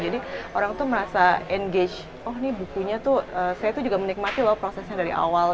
jadi orang tuh merasa engage oh ini bukunya tuh saya tuh juga menikmati loh prosesnya dari awal